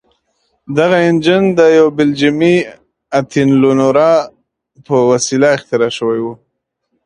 دغه انجن یو بلجیمي اتین لونوار په وسیله اختراع شوی و.